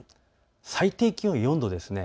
最低気温が４度です。